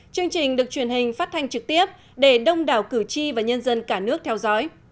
chương trình được truyền hình phát thanh trực tiếp để đông đảo cử tri và nhân dân cả nước theo dõi